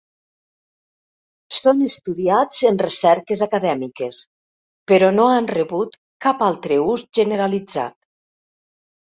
Són estudiats en recerques acadèmiques, però no han rebut cap altre ús generalitzat.